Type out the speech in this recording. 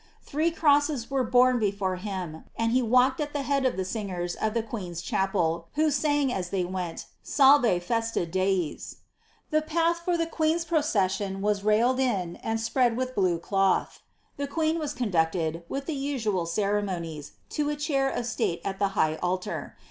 Three crosses were borne before him, and he walked at the bead of the singers of the queen's chapel, who sang as they went, Salve fesia dies. The path for the queen's procession was railed in and ■prrad with blue cloth. The queen was conducted, with the upual cere monies, to a cliair of state at the high altar.